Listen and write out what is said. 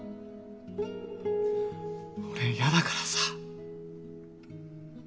俺嫌だからさ。